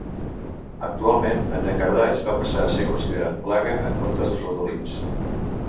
Actualment el llangardaix va passar a ser considerat plaga en comptes dels ratolins.